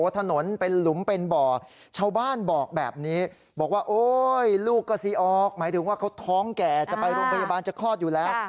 ถนนเป็นหลุมเป็นบ่อชาวบ้านบอกแบบนี้บอกว่าโอ๊ยลูกก็สิออกหมายถึงว่าเขาท้องแก่จะไปโรงพยาบาลจะคลอดอยู่แล้ว